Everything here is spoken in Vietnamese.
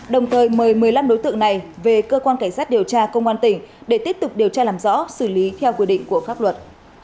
đồng thời mời một mươi năm đối tượng này về cơ quan cảnh sát điều tra công an tỉnh để tiếp tục điều tra làm rõ xử lý theo quy định của pháp luật